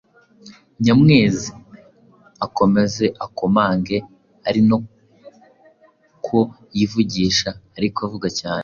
Nyamwezi: (Akomeze akomange ari na ko yivugisha ariko avuga cyane).